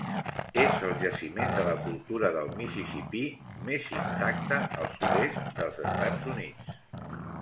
És el jaciment de la cultura del Mississipí més intacte al sud-est dels Estats Units.